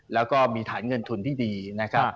แล้วก็มีฐานเงินทุนที่ดีนะครับ